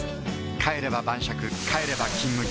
帰れば晩酌帰れば「金麦」